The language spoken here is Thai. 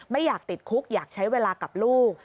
ไม่อยากติดคุกอยากใช้เวลากับลูก